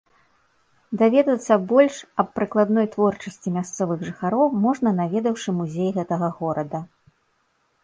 Даведацца больш аб прыкладным творчасці мясцовых жыхароў можна наведаўшы музей гэтага горада.